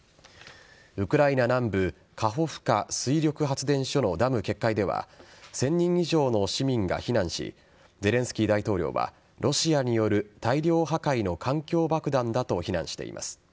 ウクライナ南部カホフカ水力発電所のダム決壊では１０００人以上の市民が避難しゼレンスキー大統領はロシアによる大量破壊の環境爆弾だと非難しています。